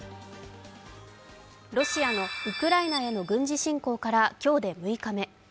ロシアのウクライナへの軍事侵攻から今日で６日目。